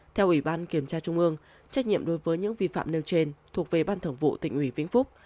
theo ủy ban kiểm tra trung ương trách nhiệm đối với những vi phạm nêu trên thuộc về ban thường vụ tỉnh ủy vĩnh phúc